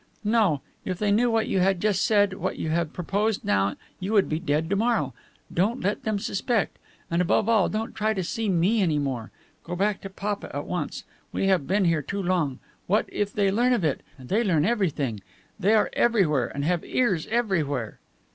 "No. If they knew what you have just said, what you have proposed now, you would be dead to morrow. Don't let them suspect. And above all, don't try to see me anywhere. Go back to papa at once. We have been here too long. What if they learn of it? and they learn everything! They are everywhere, and have ears everywhere."